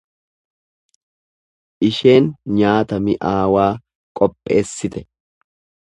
Isheen nyaata mi’aawaa qopheessite.